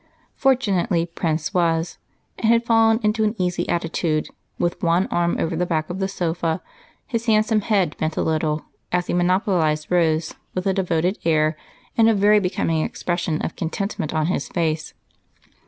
Fortunately Prince was, and had fallen into an easy attitude, with one arm over the back of the sofa, his handsome head bent a little, as he monopolized Rose, with a devoted air and a very becoming expression of contentment on his face.